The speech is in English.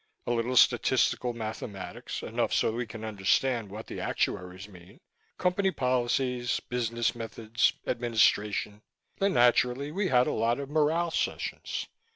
A little statistical mathematics enough so we can understand what the actuaries mean. Company policies, business methods, administration. Then, naturally, we had a lot of morale sessions.